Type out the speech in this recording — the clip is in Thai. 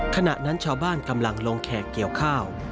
ขณะนั้นชาวบ้านกำลังลงแขกเกี่ยวข้าว